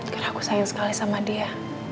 karena aku sayang sekali sama dia